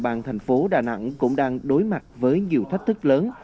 các địa bàn thành phố đà nẵng cũng đang đối mặt với nhiều thách thức lớn